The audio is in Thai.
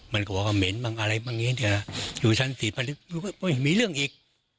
มันก็บอกว่าเหม็นบ้างอะไรบ้างเงี้ยนะอยู่ชั้น๔มีเรื่องอีก